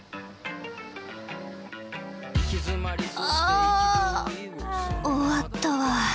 あ終わったわ。